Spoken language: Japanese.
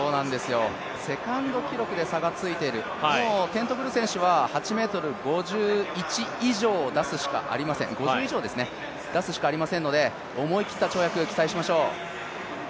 セカンド記録で差がついている、テントグル選手は８ｍ５０以上を出すしかありませんので思い切った跳躍を期待しましょう。